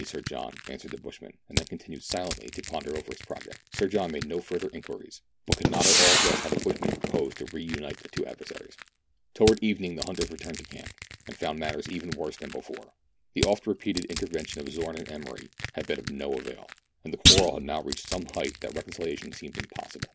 Sir John," answered the bushman, and then continued silently to ' ponder over his project. Sir John made no further inquiries, but could not at all guess how the bushman proposed to re unite the two adversaries. Towards evening the hunters returned to camp, and 124 meridiana; the advent jrls of found matters even worse than before. The oft repeated intervention of Zorn and Emery had been of no avail, and the quarrel had now reached such a height that reconcilia tion seemed impossible.